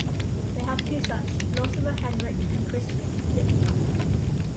They have two sons, philosopher Henrik and Christian, a diplomat.